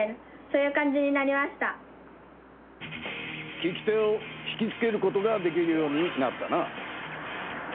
聞き手を引きつけることができるようになったな。